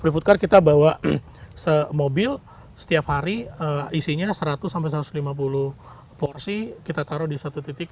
free food car kita bawa mobil setiap hari isinya seratus satu ratus lima puluh porsi kita taruh di satu titik